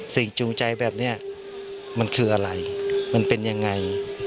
จูงใจแบบนี้มันคืออะไรมันเป็นยังไง